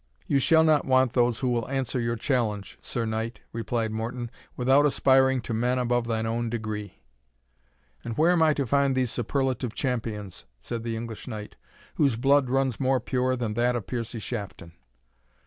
"You shall not want those who will answer your challenge, Sir Knight," replied Morton, "without aspiring to men above thine own degree." "And where am I to find these superlative champions," said the English knight, "whose blood runs more pure than that of Piercie Shafton?"